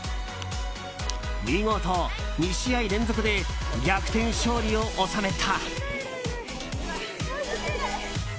見事、２試合連続で逆転勝利を収めた。